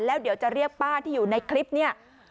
แล้วเดี๋ยวจะเรียกป้าที่อยู่ในคลิปเนี่ย